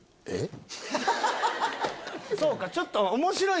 そうかちょっと面白い。